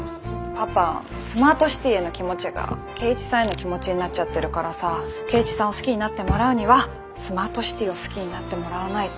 パパスマートシティへの気持ちが圭一さんへの気持ちになっちゃってるからさ圭一さんを好きになってもらうにはスマートシティを好きになってもらわないと。